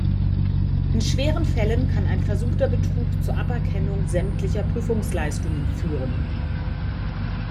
In schweren Fällen kann ein versuchter Betrug zur Aberkennung sämtlicher Prüfungsleistungen führen.